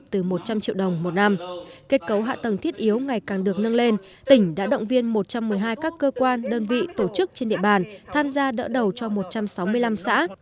trong thời gian thiết yếu ngày càng được nâng lên tỉnh đã động viên một trăm một mươi hai các cơ quan đơn vị tổ chức trên địa bàn tham gia đỡ đầu cho một trăm sáu mươi năm xã